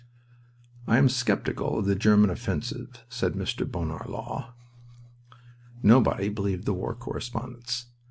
"I am skeptical of the German offensive" said Mr. Bonar Law. Nobody believed the war correspondents.